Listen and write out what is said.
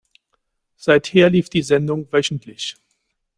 Seither lief die Sendung wöchentlich.